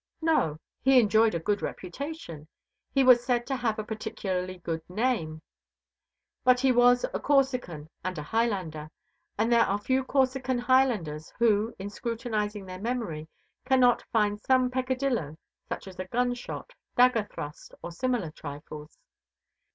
No. He enjoyed a good reputation. He was said to have a particularly good name, but he was a Corsican and a highlander, and there are few Corsican highlanders who, in scrutinizing their memory, can not find some peccadillo, such as a gun shot, dagger thrust, or similar trifles.